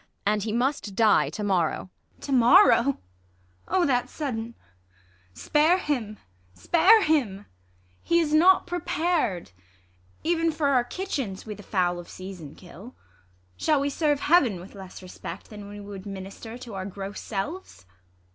And he must die to morrow. ISAB. To morrow 1 Oh, that's sudden ! spare him ! spare him ! 140 THE LAW AGAINST LOVERS. He's not prepar'd. Even for our kitchens we Tlie fowl of season kill. Shall we serve Heaven ^Vith less respect, than we would minister To our gross selves